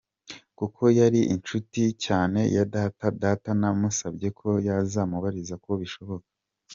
Kuko yari inshuti cyane ya data, data namusabye ko yazamumbariza ko bishoboka.